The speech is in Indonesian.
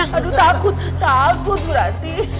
aduh takut takut buranti